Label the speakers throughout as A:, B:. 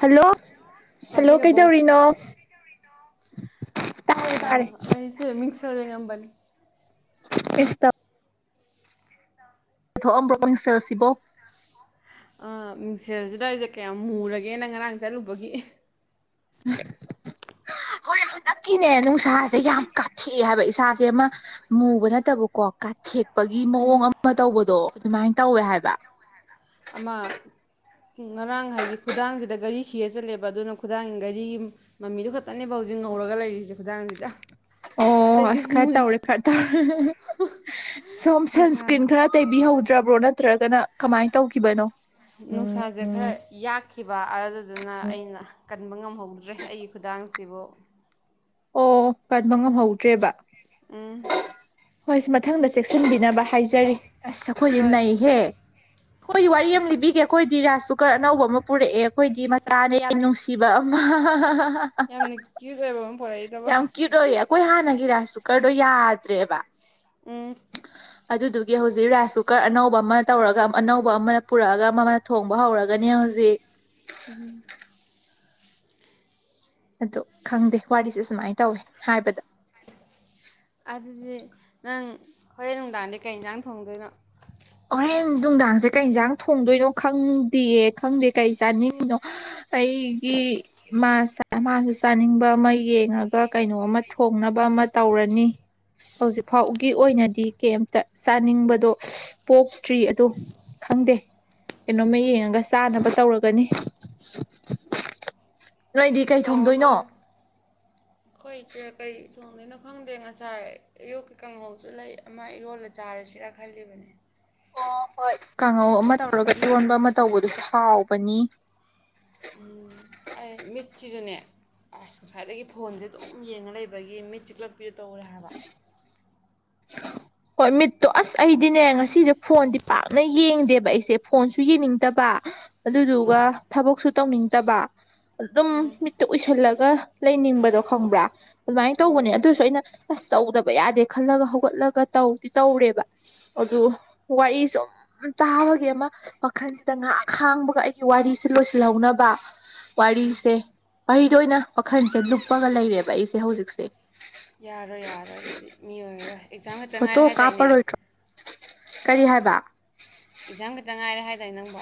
A: Hello hello
B: ꯇꯥꯕꯤꯔꯕꯣ
A: ꯀꯩꯗꯧꯔꯤꯅꯣ ꯇꯥꯔꯦ ꯇꯥꯔꯦ
B: ꯑꯥ ꯑꯩꯁꯦ [unintelligible]
A: [unintelligible] ꯄꯨꯊꯣꯛꯑꯝꯕ꯭ꯔꯣ ꯃꯤꯡꯁꯦꯜꯁꯤꯕꯣ
B: ꯑ ꯃꯤꯡꯁꯦꯜꯁꯤꯗ ꯑꯩꯁꯦ ꯀꯌꯥꯝ ꯃꯨꯔꯒꯦꯅ ꯉꯔꯥꯡ ꯆꯠꯂꯨꯕꯒꯤ
A: ꯍꯣꯏ ꯍꯟꯗꯛꯀꯤꯅꯦ ꯅꯨꯡꯁꯥꯁꯦ ꯌꯥꯝ ꯀꯥꯊꯦꯛꯑꯦ ꯍꯥꯏꯕ ꯏꯁꯥꯁꯦ ꯑꯃ ꯃꯨꯕ ꯅꯠꯇꯕꯀꯣ ꯀꯥꯊꯦꯛꯄꯒꯤ ꯃꯑꯣꯡ ꯑꯃ ꯇꯧꯕꯗꯣ ꯑꯗꯨꯃꯥꯏꯅ ꯇꯧꯋꯦ ꯍꯥꯏꯕ
B: ꯑꯃ ꯉꯔꯥꯡ ꯍꯥꯏꯗꯤ ꯈꯨꯗꯥꯡꯁꯤꯗ ꯒꯥꯔꯤ ꯁꯤꯔ ꯆꯠꯂꯦꯕ ꯑꯗꯨꯅ ꯈꯨꯗꯥꯡꯒꯤ ꯒꯥꯔꯤ ꯃꯃꯤꯗꯨ ꯈꯛꯇꯅꯦꯕ ꯍꯧꯖꯤꯛ ꯉꯧꯔꯒ ꯂꯩꯔꯤꯁꯦ ꯈꯨꯗꯥꯡꯁꯤꯗ
A: ꯑꯣ
B: ꯑꯇꯩꯗꯤ
A: ꯑꯁ ꯈꯔ
B: ꯃꯨꯏꯌꯦ
A: ꯇꯧꯔꯦ ꯈꯔ ꯇꯧꯔꯦ ꯁꯣꯝ
B: ꯅꯨꯡꯁꯥ
A: ꯁꯟꯁ꯭ꯀ꯭ꯔꯤꯟ ꯈꯔ ꯇꯩꯕꯤꯍꯧꯗ꯭ꯔꯕ꯭ꯔꯣ ꯅꯠꯇ꯭ꯔꯒꯅ ꯀꯃꯥꯏꯅ ꯇꯧꯈꯤꯕꯅꯣ
B: ꯅꯨꯡꯁꯥꯁꯦ ꯈꯔ ꯌꯥꯛꯈꯤꯕ ꯑꯗꯨꯗꯨꯅ ꯑꯩꯅ ꯀꯟꯕ ꯉꯝꯍꯧꯗ꯭ꯔꯦ ꯑꯩ ꯈꯨꯗꯥꯡꯁꯤꯕꯨ
A: ꯑꯣ ꯀꯟꯕ ꯉꯝꯍꯧꯗ꯭ꯔꯦꯕ
B: ꯎꯝ
A: ꯍꯣꯏ ꯃꯊꯪꯗ ꯆꯦꯛꯁꯤꯟꯕꯤꯅꯕ ꯍꯥꯏꯖꯔꯤ ꯑꯁ ꯑꯩꯈꯣꯏꯗꯤ
B: ꯍꯣꯏ
A: ꯅꯩꯍꯦ ꯑꯩꯈꯣꯏꯗꯤ ꯋꯥꯔꯤ ꯑꯃ ꯂꯤꯕꯤꯒꯦ ꯑꯩꯈꯣꯏꯗꯤ ꯔꯥꯏꯁ ꯀꯨꯀꯔ ꯑꯅꯧꯕ ꯑꯃ ꯄꯨꯔꯛꯑꯦ ꯑꯩꯈꯣꯏꯗꯤ ꯃꯆꯥꯅꯦ [unintelligible] ꯀꯤꯕ [unintelligible]
B: ꯀꯨꯏꯠ ꯑꯣꯏꯕꯥ ꯑꯃꯥ ꯄꯨꯛꯏꯔꯕ
A: ꯀꯨꯏꯇ ꯑꯣꯏ ꯑꯩꯈꯣꯏ ꯍꯥꯟꯅꯒꯤ ꯔꯥꯏꯁ ꯀꯨꯀꯔꯗꯣ ꯌꯥꯗ꯭ꯔꯦꯕ
B: ꯎꯝ
A: [inaudible] ꯑꯗꯨꯗꯨꯒꯤ ꯍꯧꯖꯤꯛ ꯔꯥꯏꯁ ꯀꯨꯀꯔ ꯑꯅꯧꯕ ꯑꯃ ꯇꯧꯔꯒ ꯑꯅꯧꯕ ꯑꯃꯅ ꯄꯨꯔꯛꯑꯒ ꯑꯃꯅ ꯊꯣꯡꯕ ꯍꯧꯔꯒꯅꯤ ꯍꯧꯖꯤꯛ
B: [inaudible]
A: ꯑꯗꯣ ꯈꯪꯗꯦ ꯋꯥꯔꯤꯁꯦ ꯁꯨꯃꯥꯏꯅ ꯇꯧꯏ ꯍꯥꯏꯕꯗ
B: ꯑꯗꯨꯗꯤ ꯅꯪ ꯍꯣꯔꯦꯟ ꯅꯨꯡꯗꯥꯡꯗꯤꯩ ꯀꯩ ꯏꯟꯖꯥꯡ ꯊꯣꯡꯗꯣꯏꯅꯣ
A: ꯍꯣꯔꯦꯟ ꯅꯨꯡꯗꯥꯡꯁꯦ ꯀꯩ ꯌꯦꯟꯁꯥꯡ ꯊꯣꯡꯗꯣꯏꯅꯣ ꯈꯪꯗꯦꯌꯦ ꯈꯪꯗꯦ ꯀꯩ ꯆꯥꯅꯤꯡꯉꯤꯅꯣ ꯑꯩꯒꯤ ꯃꯥ ꯃꯥꯁꯨ ꯆꯥꯅꯤꯡꯕ ꯑꯃ ꯌꯦꯡꯉꯒ ꯀꯩꯅꯣ ꯑꯃ ꯊꯣꯡꯅꯕ ꯑꯃ ꯇꯧꯔꯅꯤ ꯍꯧꯖꯤꯛ ꯐꯥꯎꯒꯤ ꯑꯣꯏꯅꯗꯤ ꯀꯩꯝꯇ ꯆꯥꯅꯤꯡꯕꯗꯣ ꯄꯣꯛꯇ꯭ꯔꯤ ꯑꯗꯣ ꯈꯪꯗꯦ ꯀꯩꯅꯣꯝꯃ ꯌꯦꯡꯉꯒ ꯆꯥꯅꯕ ꯇꯧꯔꯒꯅꯤ ꯅꯩꯗꯤ ꯀꯩ
B: ꯇꯧꯔꯣ
A: ꯊꯣꯡꯗꯣꯏꯅꯣ
B: ꯇꯧꯔꯣ ꯑꯩꯈꯣꯏ ꯏꯆꯦ ꯀꯩ ꯊꯣꯡꯗꯦꯅꯣ ꯈꯪꯗꯦ ꯉꯁꯥꯏ ꯑꯌꯣꯛꯀꯤ ꯀꯥꯡꯍꯧꯁꯨ ꯂꯩ ꯑꯃ ꯏꯔꯣꯜꯂ ꯆꯥꯔꯁꯤꯔꯥ ꯈꯜꯂꯤꯕꯅꯦ
A: ꯑꯣ ꯍꯣꯏ ꯀꯥꯡꯉꯧ ꯑꯃ ꯇꯧꯔꯒ ꯏꯔꯣꯟꯕ ꯑꯃ ꯇꯧꯕꯗꯨꯁꯨ ꯍꯥꯎꯕꯅꯤ
B: ꯎꯝ ꯑꯩ ꯃꯤꯆꯁꯤꯖꯨꯅꯦ ꯑꯁ ꯉꯁꯥꯏꯗꯒꯤ ꯐꯣꯟꯁꯦ ꯑꯗꯨꯝ ꯌꯦꯡꯉ ꯂꯩꯕꯒꯤ ꯃꯤꯠ ꯆꯤꯛꯂꯞ ꯄꯤꯔ ꯇꯧꯔꯦ ꯍꯥꯏꯕ
A: ꯍꯣꯏ ꯃꯤꯠꯇꯣ ꯑꯁ ꯑꯩꯗꯤꯅꯦ ꯉꯁꯤꯁꯦ ꯐꯣꯟꯗꯤ ꯄꯥꯛꯅ ꯌꯦꯡꯗꯦꯕ ꯑꯩꯁꯦ ꯐꯣꯟꯁꯨ ꯌꯦꯡꯅꯤꯡꯗꯕ
B: ꯎꯝ
A: ꯑꯗꯨꯗꯨꯒ ꯊꯕꯛꯁꯨ ꯇꯧꯅꯤꯡꯗꯕ ꯑꯗꯨꯝ
B: ꯎꯝ
A: ꯃꯤꯠꯇ ꯎꯏꯁꯜꯂꯒ ꯂꯩꯅꯤꯡꯕꯗꯣ ꯈꯪꯕ꯭ꯔꯥ ꯑꯗꯨꯃꯥꯏꯅ
B: ꯎꯝ
A: ꯇꯧꯕꯅꯦ ꯑꯗꯨꯁꯨ ꯑꯩꯅ ꯑꯁ ꯇꯧꯗꯕ ꯌꯥꯗꯦ ꯈꯜꯂꯒ ꯍꯧꯒꯠꯂꯒ ꯇꯧꯗꯤ ꯇꯧꯔꯦꯕ ꯑꯗꯨ ꯋꯥꯔꯤꯁꯨ ꯌꯥꯝ ꯇꯥꯕꯒꯤ ꯑꯃ ꯃꯈꯜꯁꯤꯗ ꯉꯍꯥꯛ ꯈꯥꯡꯕꯒ ꯑꯩꯒꯤ ꯋꯥꯔꯤꯁꯤ ꯂꯣꯏꯁꯤꯜꯍꯧꯅꯕ
B: ꯎꯝ
A: ꯋꯥꯔꯤꯁꯦ ꯋꯥꯔꯤꯗ ꯑꯣꯏꯅ ꯋꯥꯈꯜꯁꯦ ꯂꯨꯞꯄꯒ ꯂꯩꯔꯦꯕ ꯑꯩꯁꯦ ꯍꯧꯖꯤꯛꯁꯦ
B: ꯌꯥꯔꯣꯏ ꯌꯥꯔꯣꯏ ꯑꯗꯨꯗꯤ ꯃꯤ ꯑꯣꯏꯔꯔꯣꯏ ꯑꯦꯛꯖꯥꯝ ꯈꯛꯇ
A: ꯐꯣꯇꯣ
B: ꯉꯥꯏꯔꯦ ꯍꯥꯏꯗꯥꯏꯅꯦ
A: ꯀꯥꯞꯄꯔꯣꯏꯗ꯭ꯔꯣ ꯀꯔꯤ ꯍꯥꯏꯕ
B: ꯑꯦꯛꯖꯥꯝ ꯈꯤꯇ ꯉꯥꯏꯔꯦ ꯍꯥꯏꯇꯥꯦ ꯅꯪꯕꯣ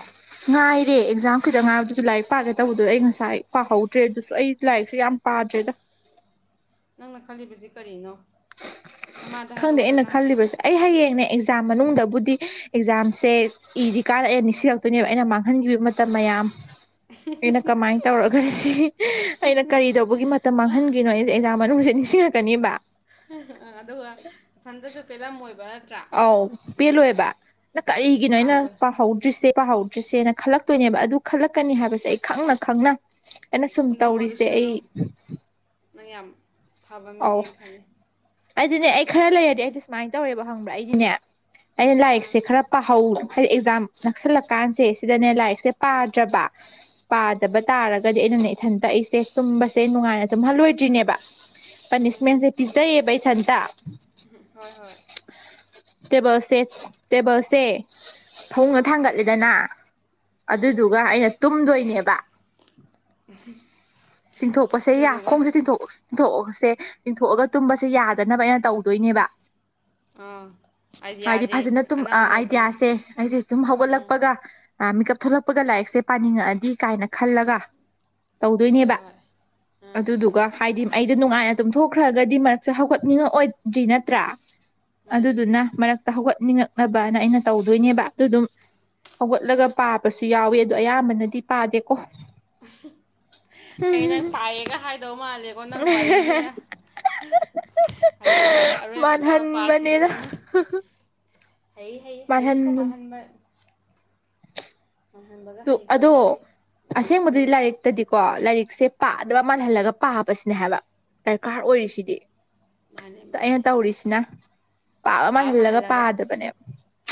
A: ꯉꯥꯏꯔꯦ ꯑꯦꯛꯖꯥꯝ ꯇꯪ ꯉꯥꯏꯕꯗꯨꯁꯨ ꯂꯥꯏꯔꯤꯛ ꯄꯥꯔꯦ ꯇꯧꯕꯗꯨꯗ ꯑꯩ ꯉꯁꯥꯏ ꯄꯥꯍꯧꯗ꯭ꯔꯦ ꯑꯗꯨꯁꯨ ꯑꯩ ꯂꯥꯏꯔꯤꯛꯁꯦ ꯌꯥꯝ ꯄꯥꯖꯗ
B: ꯅꯪꯅ ꯈꯜꯂꯤꯕꯁꯤ ꯀꯔꯤꯅꯣ ꯅꯃꯥꯗ
A: ꯈꯪꯗꯦ
B: ꯍꯥꯏꯗꯣꯛꯎꯔꯣ
A: ꯑꯩꯅ
B: ꯅꯪ
A: ꯈꯜꯂꯤꯕꯁꯦ ꯑꯩ ꯍꯌꯦꯡꯅꯦ ꯑꯦꯛꯖꯥꯝ ꯃꯅꯨꯡꯗꯕꯨꯗꯤ ꯑꯦꯛꯖꯥꯝꯁꯦ ꯏꯗꯤ ꯀꯥꯔꯛꯑꯦ ꯅꯤꯡꯁꯤꯔꯛꯇꯣꯏꯅꯦꯕ ꯑꯩꯅ ꯃꯥꯡꯍꯟꯈꯤꯕ ꯃꯇꯝ ꯃꯌꯥꯝ ꯑꯩꯅ ꯀꯃꯥꯏꯅ ꯇꯧꯔꯒ ꯁꯤ ꯑꯩꯅ ꯀꯔꯤꯗꯧꯕ ꯕꯨꯒꯤ ꯃꯇꯝ ꯃꯥꯡꯍꯟꯈꯔꯤꯅꯣ ꯑꯩꯁꯦꯛꯖꯥ ꯃꯅꯨꯡꯁꯦ ꯅꯤꯡꯁꯤꯡꯉꯛꯀꯅꯦꯕ
B: ꯑꯗꯨꯒ ꯏꯊꯟꯇꯁꯨ ꯄꯦꯜꯂꯝꯃꯣꯏꯕ ꯅꯠꯇ꯭ꯔꯥ
A: ꯑꯧ ꯄꯦꯜꯂꯣꯏꯦꯕ ꯅ ꯀꯔꯤꯒꯤꯅꯣ ꯑꯩꯅ
B: ꯑꯗ
A: ꯄꯥꯍꯧꯗ꯭ꯔꯤꯁꯦ ꯄꯥꯍꯧꯗ꯭ꯔꯤꯁꯦꯅ ꯈꯜꯂꯛꯇꯣꯏꯅꯦꯕ ꯑꯗꯨ ꯈꯜꯂꯛꯀꯅꯤ ꯍꯥꯏꯕꯁꯦ ꯑꯩ ꯈꯪꯅ ꯈꯪꯅ ꯑꯩꯅ ꯁꯨꯝ
B: ꯑꯗꯨꯝ
A: ꯇꯧꯔꯤꯁꯦ
B: ꯍꯧꯖꯤꯛꯁꯨ
A: ꯑꯩ
B: ꯑꯗꯨꯝ ꯅꯪ ꯌꯥꯝ ꯐꯕ
A: ꯑꯧ
B: ꯃꯤꯅꯦꯅ ꯈꯜꯂꯤ
A: ꯑꯩꯗꯤꯅꯦ ꯑꯩ ꯈꯔ ꯂꯩꯔꯗꯤ ꯑꯩꯗꯤ ꯁꯨꯃꯥꯏꯅ ꯇꯧꯔꯦꯕ ꯍꯪꯕ꯭ꯔꯥ ꯑꯩꯗꯤꯅꯦ ꯑꯩꯅ
B: ꯎꯝ
A: ꯂꯥꯏꯔꯤꯛꯁꯦ ꯈꯔ ꯄꯥꯍꯧ ꯍꯥꯏꯗꯤ ꯑꯦꯛꯖꯥꯝ ꯅꯛꯁꯜꯂꯛꯀꯥꯟꯁꯦ ꯁꯤꯗꯅꯦ ꯂꯥꯏꯔꯤꯛꯁꯦ
B: ꯎꯝ
A: ꯄꯥꯗ꯭ꯔꯕ
B: ꯎꯝ
A: ꯄꯥꯗꯕ ꯇꯥꯔꯒꯗꯤ ꯑꯩꯅꯅꯦ ꯏꯊꯟꯇ ꯑꯩꯁꯦ ꯇꯨꯝꯕꯁꯦ ꯅꯨꯡꯉꯥꯏꯅ ꯑꯗꯨꯝ ꯍꯜꯂꯣꯏꯗ꯭ꯔꯤꯅꯦꯕ ꯄꯥꯅꯤꯁꯃꯦꯟꯁꯦ ꯄꯤꯖꯩꯌꯦꯕ ꯏꯊꯟꯇ
B: ꯎ ꯍꯣꯏ ꯍꯣꯏ
A: ꯇꯦꯕꯜꯁꯦ ꯇꯦꯕꯜꯁꯦ ꯐꯃꯨꯡꯗ
B: ꯎꯝ
A: ꯊꯥꯡꯒꯠꯂꯦꯗꯅ
B: ꯎꯝ
A: ꯑꯗꯨꯗꯨꯒ ꯑꯩꯅ ꯇꯨꯝꯗꯣꯏꯅꯦꯕ ꯇꯤꯡꯊꯣꯛꯄꯁꯦ
B: ꯑꯗꯨꯗꯨꯒ
A: ꯌꯥꯈꯣꯡꯁꯦ ꯇꯤꯡꯊꯣꯛꯑꯁ ꯏꯊꯣꯛꯑꯁꯦ ꯏꯤꯡꯊꯣꯛꯑꯒ ꯇꯨꯝꯕꯁꯦ ꯌꯥꯗꯅꯕ ꯑꯩꯅ ꯇꯧꯗꯣꯏꯅꯦꯕ
B: ꯑꯥ
A: ꯍꯥꯏꯗꯤ
B: ꯑꯥꯏꯗꯤꯌꯥꯁꯦ
A: ꯐꯖꯅ ꯇꯨꯝ
B: ꯑꯅꯧ ꯑꯅꯧꯕꯅꯦ
A: ꯑꯥꯏꯗꯤꯌꯥꯁꯦ ꯑꯩꯁꯦ ꯁꯨꯝ
B: ꯎꯝ
A: ꯍꯧꯒꯠꯂꯛꯄꯒ ꯃꯤꯀꯞ ꯊꯣꯛꯂꯛꯄꯒ ꯂꯥꯏꯔꯤꯛꯁꯦ ꯄꯥꯅꯤꯡꯉꯛꯑꯗꯤ ꯀꯥꯏꯅ ꯈꯜꯂꯒ
B: ꯍꯣꯏ
A: ꯇꯧꯗꯣꯏꯅꯦꯕ
B: ꯍꯣꯏ ꯎꯝ
A: ꯑꯗꯨꯗꯨꯒ ꯍꯥꯏꯗꯤ ꯑꯩꯗꯣ ꯅꯨꯡꯉꯥꯏꯅ ꯇꯨꯝꯊꯣꯛꯈ꯭ꯔꯒꯗꯤ ꯃꯔꯛꯁꯦ ꯍꯧꯒꯠꯅꯤꯡꯉꯛꯑꯣꯏ ꯗ꯭ꯔꯤ ꯅꯠꯇ꯭ꯔꯥ
B: ꯃꯥꯅꯤ
A: ꯑꯗꯨꯗꯨꯅ ꯃꯔꯛꯇ ꯍꯧꯒꯠꯅꯤꯡꯉꯛꯅꯕꯅ ꯑꯩꯅ ꯇꯧꯗꯣꯏꯅꯦꯕ ꯑꯗꯨ ꯑꯗꯨꯝ ꯍꯧꯒꯠꯂꯒ ꯄꯥꯕꯁꯨ ꯌꯥꯎꯋꯤ ꯑꯗꯨ ꯑꯌꯥꯝꯕꯅꯗꯤ ꯄꯥꯗꯦꯀꯣ꯫
B: [unintelligible] ꯑꯩꯅ ꯁꯥꯏꯌꯦꯒ ꯍꯥꯏꯗꯧ ꯃꯥꯜꯂꯦꯕ ꯀꯣ ꯅꯪ ꯋꯥꯏꯁꯤꯅ [unintelligible] ꯑꯗꯨꯒ ꯑꯔꯣꯏꯕꯗ
A: ꯃꯥꯜꯍꯟꯕꯅꯦꯅ
B: ꯄꯥꯈꯤꯗꯕꯅ꯫ ꯍꯩ ꯍꯩ ꯍꯩ ꯀꯣ
A: ꯃꯥꯜꯍꯟꯗꯨ
B: ꯄꯥꯍꯟꯕ꯫ ꯍꯩꯀꯣ
A: ꯑꯗꯣ
B: ꯃꯤꯗꯤ
A: ꯑꯁꯦꯡꯕꯗꯗꯤ
B: ꯎꯝ
A: ꯂꯥꯏꯔꯤꯛꯇꯗꯤꯀꯣ ꯂꯥꯏꯔꯤꯛꯁꯦ ꯄꯥꯗꯕ ꯃꯥꯜꯍꯜꯂꯒ ꯄꯥꯕꯁꯤꯅꯦ ꯍꯥꯏꯕ ꯗꯔꯀꯥꯔ ꯑꯣꯏꯔꯤꯁꯤꯗꯤ
B: ꯃꯥꯅꯦ
A: ꯑꯗ
B: ꯃꯥꯅꯦ
A: ꯑꯩꯅ ꯇꯧꯔꯤꯁꯤꯅ ꯄꯥꯕ ꯃꯥꯜꯍꯜꯂꯒ ꯄꯥꯗꯕꯅꯦꯕ꯫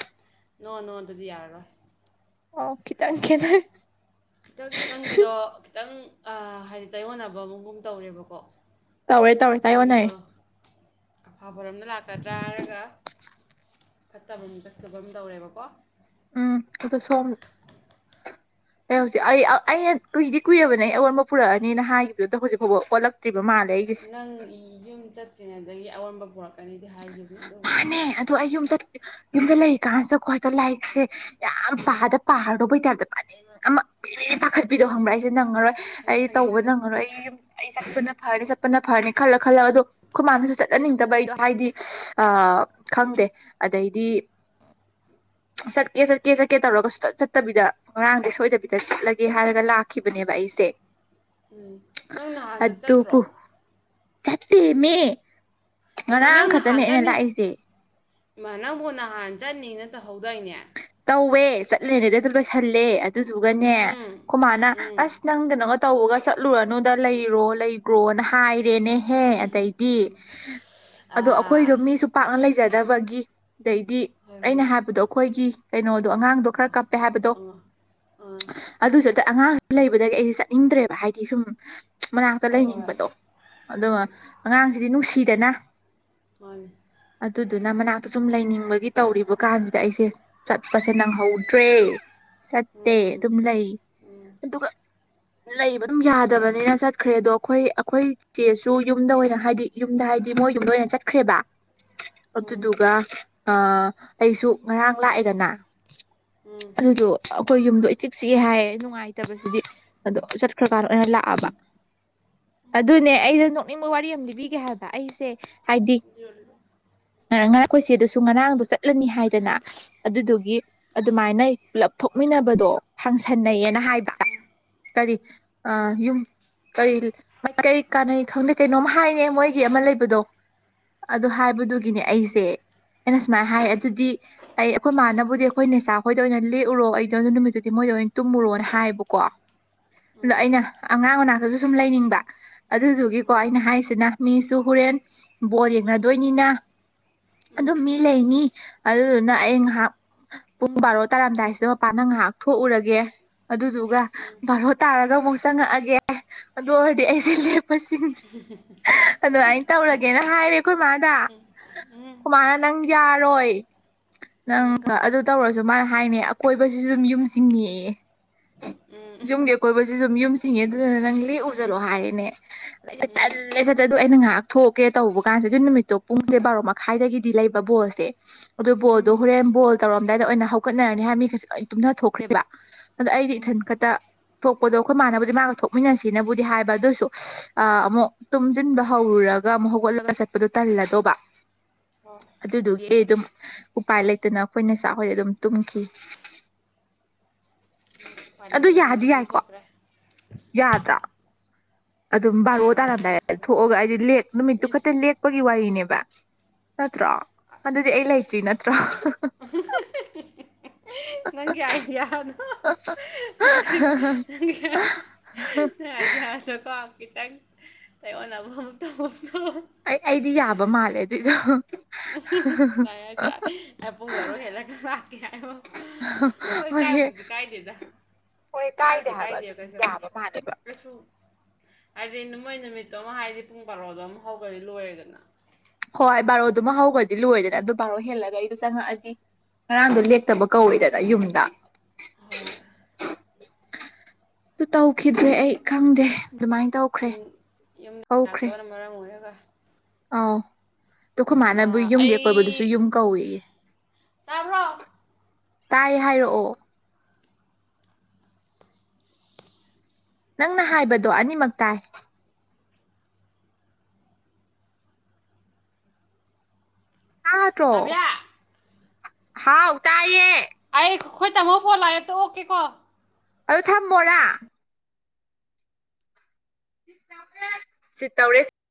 B: [unintelligible] ꯅꯣ ꯅꯣ ꯑꯗꯨꯗꯤ ꯌꯥꯔꯔꯣꯏ
A: ꯑꯣ ꯈꯤꯇꯪ ꯈꯦꯅꯔꯦ [unintelligible]
B: ꯈꯤꯇꯪ ꯅꯪꯒꯤꯗꯣ ꯈꯤꯇꯪ ꯑ ꯍꯥꯏꯗꯤ ꯇꯥꯏꯌꯣꯟꯅꯕ ꯑꯃꯒꯨꯝ ꯇꯧꯔꯦꯕꯀꯣ꯫
A: ꯇꯧꯔꯦ ꯇꯧꯔꯦ ꯇꯥꯏ ꯑꯣꯟꯅꯔꯦ
B: ꯅꯪꯒꯤꯗꯣ ꯑꯐꯕꯔꯣꯝꯗ ꯂꯥꯛꯀꯗ꯭ꯔꯥ ꯍꯥꯏꯔꯒ ꯐꯠꯇꯕ ꯑꯃ ꯆꯠꯇꯕ ꯑꯝ ꯇꯧꯔꯦꯕꯀꯣ꯫
A: ꯎꯝ ꯑꯗ ꯁꯣꯝ ꯑꯩ ꯍꯧꯖꯤꯛ ꯑꯩ ꯑꯩ ꯀꯨꯏꯗꯤ ꯀꯨꯏꯔꯕꯅꯦ ꯑꯩ ꯑꯑꯣꯟꯕ ꯄꯨꯔꯛꯑꯅꯤꯅ ꯍꯥꯏꯈꯤꯕꯗꯨꯗꯣ ꯍꯧꯖꯤꯛꯐꯥꯎꯕ ꯑꯣꯜꯂꯛꯇ꯭ꯔꯤꯕ ꯃꯥꯜꯂꯦ ꯑꯩ
B: ꯅꯪ ꯌꯨꯝ ꯆꯠꯇ꯭ꯔꯤꯉꯩꯗꯒꯤ ꯑꯑꯣꯟꯕ ꯄꯨꯔꯛꯀꯅꯤꯗꯤ ꯍꯥꯏꯈꯤꯕꯅꯦ ꯑꯗꯨꯕꯨ
A: ꯑꯦ ꯑꯗꯣ ꯑꯩ ꯌꯨꯝ ꯆꯠ ꯌꯨꯝꯗ ꯂꯩꯔꯤ ꯀꯥꯟꯁꯤꯗꯀꯣ ꯍꯗ ꯂꯥꯏꯔꯤꯛꯁꯦ ꯌꯥꯝ ꯄꯥꯗ ꯄꯥꯔꯗꯧꯕꯩꯇꯥꯏꯞꯗ ꯄꯥꯅꯤꯡ ꯑꯃ꯫
B: ꯎꯝ
A: ꯄꯥꯈꯠꯄꯤꯗꯣ
B: ꯎꯝ
A: ꯈꯪꯕ꯭ꯔꯥ ꯑꯩꯁꯦ ꯅꯪꯉꯔꯣꯏ
B: ꯈ- ꯈꯪꯉꯦ
A: ꯑꯩ
B: ꯈꯪꯉꯦ
A: ꯇꯧꯕ
B: ꯈꯪꯉꯦ
A: ꯅꯪꯉꯔꯣꯏ ꯑꯩ ꯌꯨꯝ ꯑꯩ ꯆꯠꯄꯅ ꯐꯔꯅꯤ ꯆꯠꯄꯅ ꯐꯔꯅꯤ ꯈꯜꯂ ꯈꯜꯂ ꯑꯗꯣ ꯈꯨꯃꯥꯅꯁꯨ ꯆꯠꯍꯟꯅꯤꯡꯗꯕ ꯑꯩꯗꯣ ꯍꯥꯏꯗꯤ ꯑ ꯈꯪꯗꯦ ꯑꯗꯩꯗꯤ ꯆꯠꯀꯦ ꯆꯠꯀꯦ ꯆꯠꯀꯦ ꯇꯧꯔꯒꯁꯨ ꯆꯠ ꯆꯠꯇꯕꯤꯗ꯫ ꯉꯔꯥꯡꯗ ꯁꯣꯏꯗꯕꯤꯗ ꯆꯠꯂꯒꯦ ꯍꯥꯏꯔꯒ ꯂꯥꯛꯈꯤꯕꯅꯦꯕ ꯑꯩꯁꯦ꯫
B: ꯎꯝ ꯅꯪ ꯅꯍꯥꯟꯖ ꯆꯠꯇ꯭ꯔꯣ
A: ꯆꯠꯇꯦ ꯃꯦ
B: ꯏꯃꯥ ꯅꯪ ꯅꯍꯥꯟ ꯆꯠꯅꯤ,
A: ꯂꯥꯛꯏꯁꯦ
B: ꯏꯃꯥ ꯅꯪꯕꯨ ꯅꯍꯥꯟ ꯆꯠꯅꯤꯅ ꯇꯧꯍꯧꯗꯥꯏꯅꯦ꯫
A: ꯇꯧꯋꯦ ꯆꯠꯂꯦꯅꯦꯗꯦ ꯑꯗꯨ ꯂꯣꯏꯁꯜꯂꯦ ꯑꯗꯨꯗꯨꯒꯅꯦ
B: ꯎꯝ
A: ꯈꯨꯃꯥꯅ
B: ꯎꯝ
A: ꯑꯁ ꯅꯪꯒ ꯅꯪ ꯇꯧꯕꯒ ꯆꯠꯂꯨꯔꯅꯨꯗ ꯂꯩꯔꯣ ꯂꯩꯈ꯭ꯔꯣꯅ ꯍꯥꯏꯔꯦꯅꯦ ꯍꯦ ꯑꯗꯩꯗꯤ, ꯑꯗꯣ
B: ꯑꯥ
A: ꯑꯩꯈꯣꯏꯗꯣ ꯃꯤꯁꯨ ꯄꯥꯛꯅ ꯂꯩꯖꯗꯕꯒꯤ ꯑꯗꯩꯗꯤ
B: ꯍꯣꯏ
A: ꯑꯩꯅ
B: ꯍꯣꯏ
A: ꯍꯥꯏꯕꯗꯣ ꯑꯩꯈꯣꯏꯒꯤ ꯀꯩꯅꯣꯗꯣ ꯑꯉꯥꯡ ꯗꯣ ꯈꯔ
B: ꯑꯥ
A: ꯀꯞꯄꯦ
B: ꯑꯥ
A: ꯍꯥꯏꯕꯗꯣ
B: ꯑꯥ
A: [unintelligible] ꯑꯗꯨꯁꯨ ꯑꯗ ꯑꯉꯥꯡ ꯂꯩꯕꯗꯒꯤ ꯑꯩꯁꯦ ꯆꯠꯅꯤꯡꯗ꯭ꯔꯦꯕ ꯍꯥꯏꯗꯤ ꯁꯨꯝ ꯃꯅꯥꯛꯇ
B: ꯑꯥ ꯍꯣꯏ ꯍꯣꯏ
A: ꯂꯩꯅꯤꯡꯕꯗꯣ,
B: ꯎꯝ
A: ꯑꯗꯨꯒ ꯑꯉꯥꯡꯁꯤꯗꯤ ꯅꯨꯡꯁꯤꯗꯅ
B: ꯃꯥꯅꯦ꯫
A: ꯑꯗꯨꯗꯨꯅ ꯃꯅꯥꯛꯇ ꯁꯨꯝ ꯂꯩꯅꯤꯡꯕꯒꯤ ꯇꯧꯔꯤꯕ ꯀꯥꯟꯁꯤ ꯁꯤꯗ ꯑꯩꯁꯦ ꯆꯠꯄꯁꯦ ꯅꯪꯍꯧꯗ꯭ꯔꯦ ꯆꯠꯇꯦ
B: ꯎꯝ
A: ꯑꯗꯨꯝ ꯂꯩ꯫
B: ꯎꯝ
A: ꯑꯗꯨꯒ ꯂꯩꯕ ꯑꯗꯨꯝ
B: ꯉꯔꯥꯡ
A: ꯌꯥꯗꯕꯅꯤꯅ ꯆꯠꯈ꯭ꯔꯦ ꯑꯗꯣ ꯑꯩꯈꯣꯏ ꯑꯩꯈꯣꯏ ꯆꯦꯁꯨ ꯌꯨꯝꯗ ꯑꯣꯏꯅ ꯍꯥꯏꯗꯤ ꯌꯨꯝꯗ ꯍꯥꯏꯗꯤ ꯃꯣꯏ ꯌꯨꯝꯗ ꯑꯣꯏꯅ ꯆꯠꯈ꯭ꯔꯦꯕ
B: ꯎꯝ
A: ꯑꯗꯨꯗꯨꯒ ꯑ ꯑꯩꯁꯨ ꯉꯔꯥꯡ ꯂꯥꯛꯑꯦꯗꯅ
B: ꯎꯝ
A: ꯑꯗꯨꯗꯣ ꯑꯩꯈꯣꯏ ꯌꯨꯝꯗꯣ ꯏ ꯆꯤꯛ ꯆꯤꯑꯦ ꯍꯥꯏꯌꯦ ꯅꯨꯡꯉꯥꯏꯇꯕꯁꯤꯗꯤ ꯑꯗꯣ ꯆꯠꯈ꯭ꯔꯀꯥꯟꯗ ꯑꯣꯏꯅ ꯂꯥꯛꯑꯕ꯫ ꯑꯗꯨꯅꯦ ꯑꯩꯗꯣ ꯅꯣꯛꯅꯤꯡꯕ ꯋꯥꯔꯤ ꯑꯃ ꯂꯤꯕꯤꯒꯦ ꯍꯥꯏꯕ ꯑꯩꯁꯦ ꯍꯥꯏꯗꯤ
B: [unintelligible]
A: ꯉꯔ ꯉ ꯑꯩꯈꯣꯏꯁꯦ ꯗꯨꯁꯨ ꯉꯔꯥꯡꯗꯣ ꯆꯠꯂꯅꯤ ꯍꯥꯏꯗꯅ ꯑꯗꯨꯗꯨꯒꯤ ꯑꯗꯨꯃꯥꯏꯅ ꯄꯨꯂꯞ ꯊꯣꯛꯃꯤꯟꯅꯕꯗꯣ ꯐꯥꯡꯁꯟꯅꯩꯌꯦꯅ ꯍꯥꯏꯕ ꯀꯔꯤ
B: ꯎꯝ
A: ꯑꯌꯨꯝ ꯀꯔꯤ ꯀꯔꯤ ꯀꯥꯟꯅꯩ ꯈꯪꯗ ꯀꯩꯅꯣꯝ ꯍꯥꯏꯅꯦ ꯃꯣꯏꯒꯤ ꯑꯃ ꯂꯩꯕꯗꯣ ꯑꯗꯨ ꯍꯥꯏꯕꯗꯨꯒꯤ ꯒꯤꯅꯦ
B: ꯀꯩ
A: ꯑꯩꯁꯦ ꯑꯩꯅ ꯁꯨꯃꯥꯏꯅ ꯍꯥꯏ
B: ꯎꯝ
A: ꯑꯗꯨꯗꯤ ꯑꯩ ꯑꯩꯈꯣꯏ ꯃꯥꯅꯕꯨꯗꯤ ꯑꯩꯈꯣꯏ ꯅꯦꯆꯥꯈꯣꯏꯗ ꯑꯣꯏꯅ ꯂꯦꯛꯎꯔꯣ ꯑꯩꯗꯣ ꯅꯨꯃꯤꯠꯇꯨꯗꯤ ꯃꯣꯏꯗ ꯑꯣꯏꯅ ꯇꯨꯝꯃꯨꯔꯣꯅ ꯍꯥꯏꯌꯦꯕꯀꯣ ꯑꯗꯣ
B: ꯎꯝ ꯎꯝ
A: ꯑꯩꯅ ꯑꯉꯥꯡ ꯃꯅꯥꯛꯇꯁꯨ ꯁꯨꯝ ꯂꯩꯅꯤꯡꯕ ꯑꯗꯨꯗꯨꯒꯤꯀꯣ
B: ꯎꯝ
A: ꯑꯩꯅ ꯍꯥꯏꯁꯤꯅ ꯃꯤꯁꯨ ꯍꯣꯔꯦꯟ ꯕꯣꯜ ꯌꯦꯡꯅꯗꯣꯏꯅꯤꯅ
B: ꯎꯝ
A: ꯑꯗꯨꯝ ꯃꯤ ꯂꯩꯅꯤ ꯑꯗꯨꯗꯨꯅ ꯑꯩ ꯉꯥꯏꯍꯥꯛ ꯄꯨꯡ ꯕꯥꯔꯣ ꯇꯥꯔꯝꯗꯥꯏꯁꯤꯗ ꯃꯄꯥꯜꯗ ꯉꯥꯏꯍꯥꯛ ꯊꯣꯛꯎꯔꯒꯦ ꯑꯗꯨꯗꯨꯒ ꯕꯥꯔꯣ ꯇꯥꯔꯒ ꯑꯃꯨꯛ ꯆꯪꯉꯛꯑꯒꯦ ꯑꯗꯨ ꯑꯣꯏꯔꯗꯤ ꯑꯩꯁꯦ ꯂꯦꯛꯄꯁꯤꯡ
B: ꯎꯝ ꯍꯨꯝ
A: ꯑꯗꯨꯃꯥꯏꯅ ꯇꯧꯔꯒꯦꯅ ꯍꯥꯏꯔꯦ ꯑꯩꯈꯣꯏ ꯏꯃꯥꯗ
B: ꯎꯝ ꯎꯝ
A: ꯑꯩꯈꯣꯏ ꯃꯥꯅ ꯅꯪ ꯌꯥꯔꯣꯏ
B: ꯎꯝ ꯎꯝ ꯎꯝ
A: ꯅꯪ ꯑꯗꯨ ꯇꯧꯔꯁꯨ ꯃꯥꯅ ꯍꯥꯏꯅꯦ ꯑꯀꯣꯏꯕꯁꯤꯁꯨ ꯑꯗꯨꯝ ꯌꯨꯝ ꯆꯤꯡꯉꯦꯌꯦ ꯌꯨꯝꯒꯤ ꯑꯀꯣꯏꯕꯁꯤꯁꯨ ꯌꯨꯝ ꯆꯤꯡꯉꯦ ꯑꯗꯨꯗꯨꯅ ꯅꯪ ꯂꯦꯛꯎ ꯆꯠꯂꯣ ꯍꯥꯏꯔꯦꯅꯦ ꯑꯗꯩꯩ ꯇꯟꯂꯦ ꯑꯩꯁꯦ ꯑꯗꯨ ꯑꯩꯅ ꯉꯥꯏꯍꯥꯛ ꯊꯣꯛꯀꯦ ꯇꯧꯕ ꯀꯥꯟꯁꯦ ꯑꯗꯨ ꯅꯨꯃꯤꯠꯇꯣ ꯄꯨꯡꯁꯦ ꯕꯥꯔꯣ ꯃꯈꯥꯏꯗꯒꯤꯗꯤ ꯂꯩꯕ ꯕꯣꯜꯁꯦ ꯑꯗꯨ ꯕꯜꯗꯣ ꯍꯣꯔꯦꯟ ꯕꯣꯜ ꯇꯧꯔꯝꯗꯥꯏꯗ ꯑꯣꯏꯅ ꯍꯧꯒꯠꯅꯔꯅꯤ ꯍꯥꯏꯕ ꯃꯤ ꯈꯩꯖꯤ ꯂꯣꯏꯅ ꯇꯨꯝꯅ ꯊꯣꯛꯈ꯭ꯔꯦꯕ ꯑꯗ ꯑꯩꯗꯤ
B: ꯍꯣꯏ ꯎꯝ
A: ꯏꯊꯟ ꯈꯛꯇ ꯊꯣꯛꯄꯗꯣ ꯑꯩꯈꯣꯏ ꯃꯥꯅꯕꯨꯗꯤ ꯃꯥꯒ ꯊꯣꯛꯃꯤꯟꯅꯁꯤꯅꯕꯨꯗꯤ ꯍꯥꯏꯕ ꯑꯗꯨ ꯑꯣꯏꯁꯨ ꯑ ꯑꯃꯨꯛ ꯇꯨꯝꯁꯤꯟꯕ ꯍꯧꯔꯨꯔꯒ ꯒ ꯑꯃꯨꯛ ꯍꯧꯒꯠꯂꯒ ꯆꯠꯄꯗꯨ ꯇꯜꯂꯗꯧꯕ
B: ꯑꯣ
A: ꯑꯗꯨꯗꯨꯒꯤ ꯑꯗꯨꯝ ꯎꯄꯥꯏ ꯂꯩꯇꯗꯅ ꯑꯩꯈꯣꯏ ꯅꯦꯆꯥ ꯍꯣꯏꯗ ꯑꯗꯨꯝ ꯇꯨꯝꯈꯤ
B: ꯎꯄꯥꯏ
A: ꯑꯗꯨ
B: ꯂꯩꯇꯗꯅ ꯑꯗꯨꯝ
A: ꯌꯥꯗꯤ ꯌꯥꯏꯀꯣ
B: ꯇꯨꯝꯊꯣꯛꯈ꯭ꯔꯦ
A: ꯌꯥꯗ꯭ꯔꯥ ꯑꯗꯨꯝ ꯕꯥꯔꯣ
B: ꯌꯥꯔꯣꯏꯍꯦ
A: ꯇꯥꯔꯝꯗꯥꯏ
B: ꯅꯪꯁꯨ ꯀꯩꯁꯨ
A: ꯊꯣꯛꯑꯒ ꯍꯥꯏꯗꯤ ꯂꯦꯛ ꯅꯨꯃꯤꯠꯇꯨ
B: ꯏꯁ
A: ꯈꯛꯇ ꯂꯦꯛꯄꯒꯤ ꯋꯥꯔꯤꯅꯦꯕ ꯅꯠꯇ꯭ꯔꯣ ꯑꯗꯨꯗꯤ ꯑꯩ ꯂꯩꯇ꯭ꯔꯤ ꯅꯠꯇ꯭ꯔꯥ
B: [unintelligible] ꯍꯨꯝ ꯅꯪꯒꯤ ꯑꯥꯏꯗꯤꯌꯥ ꯗꯣ ꯅꯣꯛꯅꯤꯡ ꯅꯪꯒꯤ ꯑꯥꯏꯗꯤꯌꯥ ꯅꯪꯒꯤ ꯑꯥꯏꯗꯤꯌꯥꯗꯣ ꯈꯤꯇꯪꯀꯣ ꯑꯩꯉꯣꯟꯗ ꯑꯃꯨꯛ ꯑꯃꯨꯛ ꯇꯧꯕꯗꯣ
A: ꯑꯩ ꯑꯩꯗꯤ ꯌꯥꯕ ꯃꯥꯜꯂꯦ ꯑꯗꯨꯏꯗꯣ
B: ꯉꯝꯃꯔꯣꯏ ꯆꯠꯂꯣ ꯄꯨꯡ ꯕꯥꯔꯣ ꯍꯦꯜꯂꯒ ꯂꯥꯛꯀꯦ ꯍꯥꯏꯕ ꯍꯣꯏ ꯀꯥꯏꯕꯨꯗꯤ ꯀꯥꯏꯗꯦꯗ
A: ꯍꯣꯏ
B: ꯀꯥꯏꯕꯨꯗꯤ
A: ꯍꯥꯏꯕ
B: ꯀꯥꯏꯗꯦ
A: ꯑꯗꯨ ꯑꯗꯨꯝ ꯌꯥꯕ ꯃꯥꯜꯂꯦꯕ
B: ꯑꯗꯣꯏꯁꯨ ꯍꯥꯏꯗꯤ ꯃꯣꯏ ꯅꯨꯃꯤꯠꯇꯣ ꯑꯃ ꯍꯥꯏꯗꯤ ꯄꯨꯡ ꯕꯥꯔꯣꯗꯣ ꯑꯃ ꯍꯧꯈꯔꯗꯤ ꯂꯣꯏꯔꯦꯗꯅ
A: ꯍꯣꯏ ꯕꯥꯔꯣꯗꯨꯃ ꯍꯧꯈ꯭ꯔꯗꯤ ꯂꯣꯏꯔꯦꯅ ꯑꯗꯨ ꯕꯥꯔꯣ ꯍꯦꯜꯂꯒ ꯑꯩꯗꯣ ꯆꯪꯉꯛꯑꯗꯤ ꯉꯔꯥꯡꯗꯣ ꯂꯦꯛꯇꯕ ꯀꯧꯋꯤꯗꯅ ꯌꯨꯝꯗ
B: ꯍꯣꯏ
A: ꯑꯗꯨ ꯇꯧꯈꯤꯗ꯭ꯔꯦ ꯑꯩ ꯈꯪꯗꯦ ꯑꯗꯨꯃꯥꯏꯅ ꯇꯧꯈ꯭ꯔꯦ
B: ꯌꯨꯝ ꯌꯨꯝ ꯂꯥꯛꯇꯕꯅ ꯃꯔꯝ ꯑꯣꯏꯔꯒ
A: ꯑꯥꯎ ꯑꯗꯣ ꯑꯈꯣꯏ ꯃꯥꯥꯅ
B: ꯑꯥ
A: ꯌꯨꯝꯒꯤ ꯑꯀꯣꯏꯕꯗꯨꯁꯨ
B: ꯑꯩ
A: ꯌꯨꯝ ꯀꯧꯋꯦꯌꯦ
B: ꯇꯥꯕ꯭ꯔꯣ
A: ꯇꯥꯏ ꯍꯥꯏꯔꯛꯑꯣ ꯅꯪꯅ ꯍꯥꯏꯕꯗꯣ ꯑꯅꯤꯃꯛ ꯇꯥꯏ ꯇꯥꯗꯔꯣ
B: ꯅꯥꯕꯤꯌꯥ
A: ꯍꯥꯎ ꯇꯥꯏꯌꯦ
B: ꯑꯩ ꯑꯩꯈꯣꯏ ꯇꯥꯃꯣ ꯐꯣꯟ ꯂꯥꯛꯑꯦ ꯑꯝꯇ ꯑꯣꯛꯀꯦꯀꯣ
A: ꯑꯗꯨ ꯊꯝꯃꯣꯔꯥ ꯆꯤꯠ ꯇꯧꯔꯦ